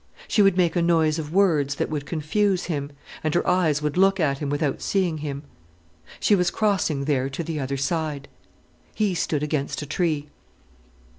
She would make a noise of words that would confuse him, and her eyes would look at him without seeing him. She was crossing there to the other side. He stood against a tree.